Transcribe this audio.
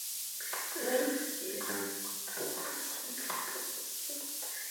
Su nombre conmemora al biólogo alemán Heinrich Ludwig Reichenbach.